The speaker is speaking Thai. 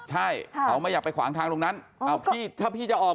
ใช่เขาไม่อยากไปขวางทางตรงนั้นพี่ถ้าพี่จะออก